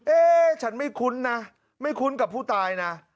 เอ๊ะฉันไม่คุ้นนะไม่คุ้นกับผู้ตายนะ